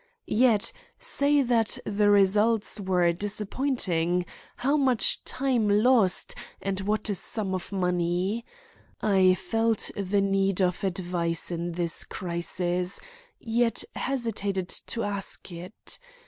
Yet, say that the results were disappointing, how much time lost and what a sum of money! I felt the need of advice in this crisis, yet hesitated to ask it.